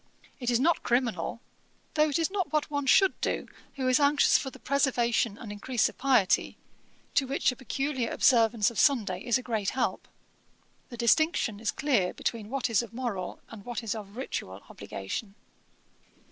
It is not criminal, though it is not what one should do, who is anxious for the preservation and increase of piety, to which a peculiar observance of Sunday is a great help. The distinction is clear between what is of moral and what is of ritual obligation.'